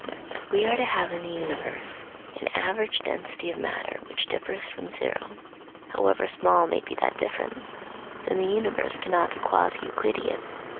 If we are to have in the universe an average density of matter which differs from zero, however small may be that difference, then the universe cannot be quasi Euclidean.